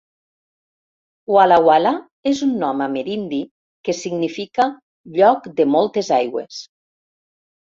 Walla Walla és un nom amerindi que significa "Lloc de moltes aigües".